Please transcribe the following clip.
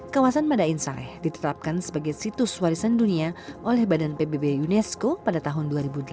kawasan madain saleh ditetapkan sebagai situs warisan dunia oleh badan pbb unesco pada tahun dua ribu delapan